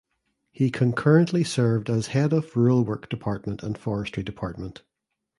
He concurrently served as head of Rural Work Department and Forestry Department.